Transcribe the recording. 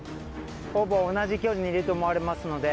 ほぼ同じ距離にいると思われますので。